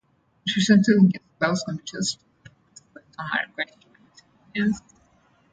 Artificial intelligence allows computers to perform tasks that normally require human intelligence.